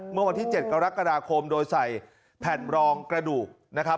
เมื่อวันที่๗กรกฎาคมโดยใส่แผ่นรองกระดูกนะครับ